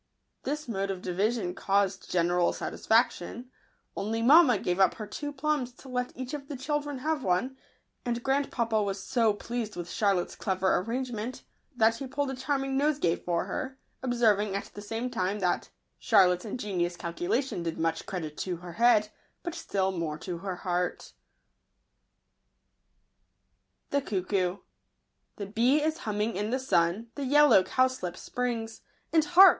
This mode of division caused general satisfaction, only mamma gave up her two plums to let each of the children have one; and grandpapa was so pleased with Charlotte's clever arrangement, that he pulled a charming nosegay for her, observing at the same time that " Charlotte's ingenious calcu lation did much credit to her head, but still more to her heart." )| f.ih Jy v //.kl 1 . Jj Ui r jsi l. /IAaj+* A i, !Si '/l/yj t /t V ffaf ? ffibt <0/twfeoc The bee is humming in the sun. The yellow cowslip springs ; And, hark